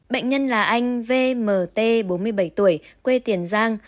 bệnh nhân là anh vmt bốn mươi bảy tuổi quê tiền giang